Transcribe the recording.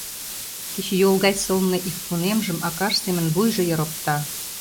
Кечыйол гай сылне ӱппунемжым акаж семын вуйжо йыр опта.